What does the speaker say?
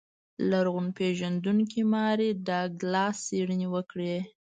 لرغون پېژندونکو ماري ډاګلاس څېړنې وکړې.